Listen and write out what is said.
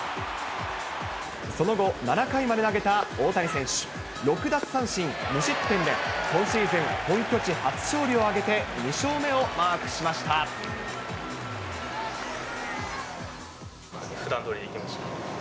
その後、７回まで投げた大谷選手、６奪三振無失点で今シーズン本拠地初勝利を挙げて、２勝目をマーふだんどおりできました。